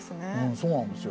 そうなんですよ。